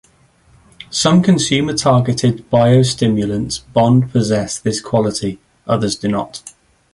Some consumer-targeted biostimulants bond possess this quality, others do not.